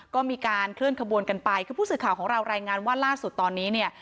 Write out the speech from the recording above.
ก็มีการเคลื่อนขบวนกันไปคือผู้สื่อข่าวของเรารายงานว่าล่าสุดตอนนี้เนี่ย